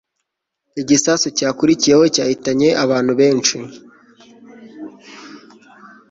igisasu cyakurikiyeho cyahitanye abantu benshi